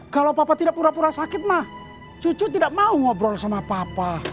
kalau papa tidak pura pura sakit mah cucu tidak mau ngobrol sama papa